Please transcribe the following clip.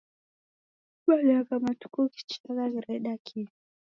Simanyagha matuku ghichagha ghireda kihi?